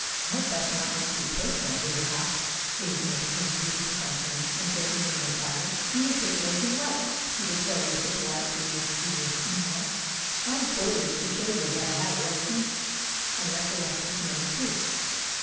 "I hope that's not meant to be personal," he laughed, gazing at the girl's beautiful countenance and great, luminous eyes. "You may take it as you like," she declared with a delightfully mischievous smile. "I only quoted it to show you that I have read Nietzsche, and recollect his many truths."